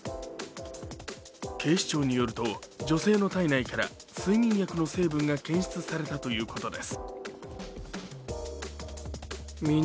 警視庁によると、女性の体内から睡眠薬の成分が検出されたということです。